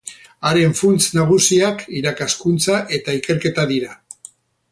Haren funts nagusiak irakaskuntza eta ikerketa dira.